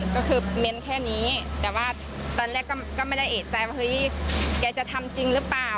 ก็คือเม้นแค่นี้แต่ว่าตอนแรกก็ไม่ได้เอกใจว่าเฮ้ยแกจะทำจริงหรือเปล่า